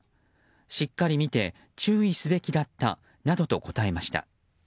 しっかり見て注意すべきだったなどと答えました。